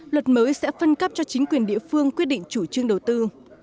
luật mới sẽ phân cấp cho chính quyền địa phương quyết định chủ trương đầu tư